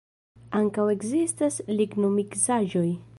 Ankaŭ ekzistas lignomiksaĵoj.